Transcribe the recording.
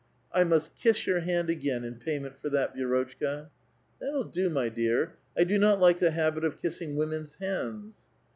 " I must kiss your hand again in payment for that, Vi6 rotchka." " That'll do, my dear; I do not like the habit of kissing women's hands."